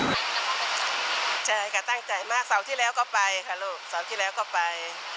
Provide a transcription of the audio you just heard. ใช่ค่ะตั้งใจมากเสาร์ที่แล้วก็ไปค่ะลูกเสาร์ที่แล้วก็ไป